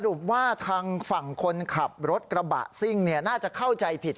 ว่าทางฝั่งคนขับรถกระบะซิ่งน่าจะเข้าใจผิด